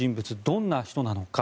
どんな人物なのか。